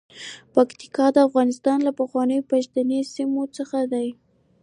پکتیکا د افغانستان له پخوانیو پښتني سیمو څخه ده.